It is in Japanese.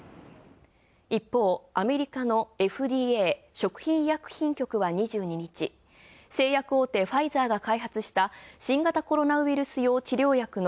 一方アメリカのＦＤＡ＝食品医薬品局は製薬大手ファイザーが新型コロナウイルス用治療薬の